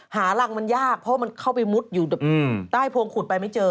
หารังมันยากเพราะมันเข้าไปมุดอยู่ใต้โพงขุดไปไม่เจอ